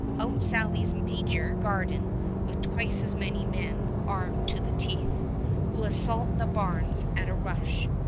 out sallies Major Garden with twice as many men armed to the teeth, who assault the barns at a rush.